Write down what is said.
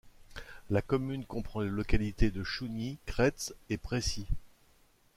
La commune comprend les localités de Chougny, Crêts et Pressy.